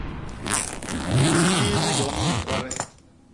Kit yom ni kwade.